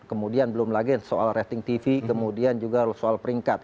kemudian belum lagi soal rating tv kemudian juga soal peringkat